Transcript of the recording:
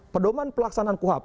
perdomaan pelaksanaan kuhab